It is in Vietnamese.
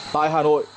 tại hà nội